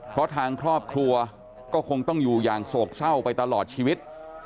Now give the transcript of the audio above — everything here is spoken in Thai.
เพราะทางครอบครัวก็คงต้องอยู่อย่างโศกเศร้าไปตลอดชีวิต